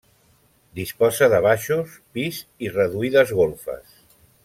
Disposa de baixos, pis i reduïdes golfes.